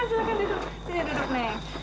sini duduk neng